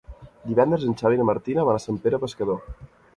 Divendres en Xavi i na Martina van a Sant Pere Pescador.